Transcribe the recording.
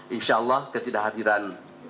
insya allah ketidakhadiran